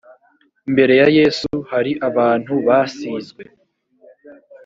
mbere ya yesu hari abantu basizwe